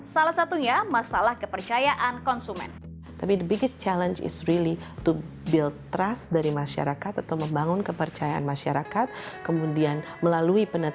salah satunya masalah kepercayaan konsumen